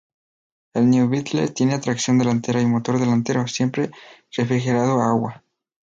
El New Beetle tiene tracción delantera y motor delantero, siempre refrigerado a agua.